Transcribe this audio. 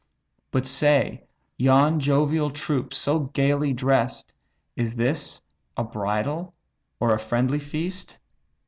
But say, yon jovial troops so gaily dress'd, Is this a bridal or a friendly feast?